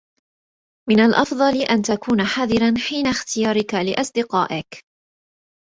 من الأفضل أن تكون حذرا حين اختيارك لأصدقائك.